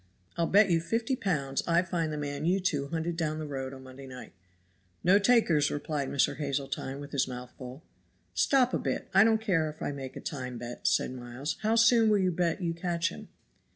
I'll bet you fifty pounds I find the man you two hunted down the road on Monday night." "No takers," replied Mr. Hazeltine with his mouth full. "Stop a bit. I don't care if I make a time bet," said Miles. "How soon will you bet you catch him?"